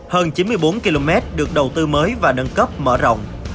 hơn chín mươi bốn km được đầu tư mới và nâng cấp mở rộng